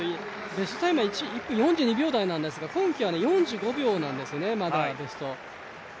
ベスト４２秒台ですが今季は４５秒なんですよね、まだベストは。